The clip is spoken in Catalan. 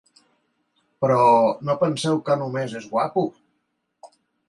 Però, no penseu que només és guapo!